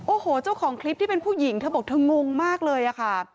โอ้โหเจ้าของคลิปที่เป็นผู้หญิงเธอบอกเธองงมากเลยอะค่ะ